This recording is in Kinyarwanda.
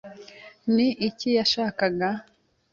Ni iki yashakaga?